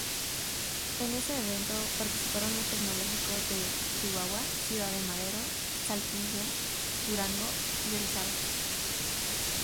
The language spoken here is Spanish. En ese evento participaron los tecnológicos de: Chihuahua, Ciudad Madero, Saltillo, Durango y Orizaba.